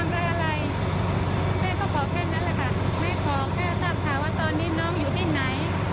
แม่ขอแค่ทราบค่ะว่าตอนนี้น้องอยู่ที่ไหน